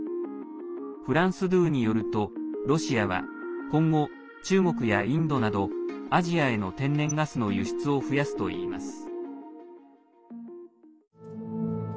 フランス２によるとロシアは今後、中国やインドなどアジアへの天然ガスの輸出を増やすといいます。